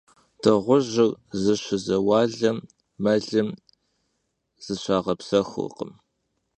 Dığujır zışızêualem melım zışağepsexurkhım.